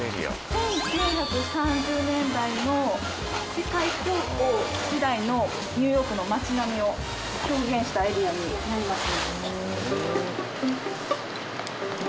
１９３０年代の世界恐慌時代のニューヨークの街並みを表現したエリアになります。